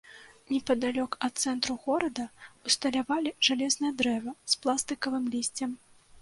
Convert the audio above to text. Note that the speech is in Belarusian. Непадалёк ад цэнтру горада ўсталявалі жалезнае дрэва з пластыкавым лісцем.